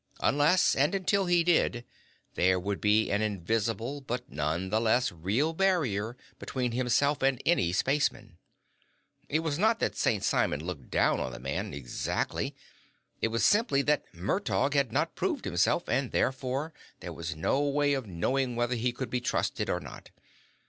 Unless and until he did, there would be an invisible, but nonetheless real barrier between himself and any spaceman. It was not that St. Simon looked down on the man, exactly; it was simply that Murtaugh had not proved himself, and, therefore, there was no way of knowing whether he could be trusted or not.